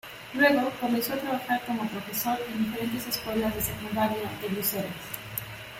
Luego comenzó a trabajar como profesor en diferentes escuelas de secundaria de Bruselas.